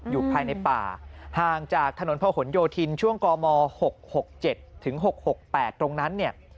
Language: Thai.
อยู่ภายในป่าห่างจากถนนพะหนโยธินช่วงกม๖๖๗ถึง๖๖๘ตรงนั้นเนี่ย